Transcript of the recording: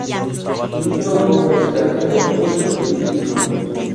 Lino Gómez Canedo fue su discípulo.